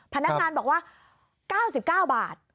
พนักงานบอกว่า๙๙บาท